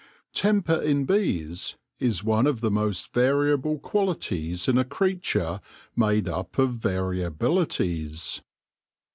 Temper in bees is one of the most variable qualities in a creature made up of variabilities.